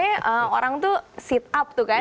biasanya orang itu sit up tuh kan